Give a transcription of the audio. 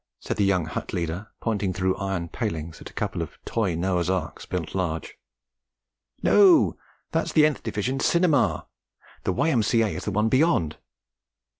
said the young hut leader, pointing through iron palings at a couple of toy Noah's Arks built large. 'No that's the nth Division's cinema. The Y.M.C.A. is the one beyond.'